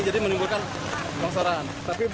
jadi menimbulkan longsoran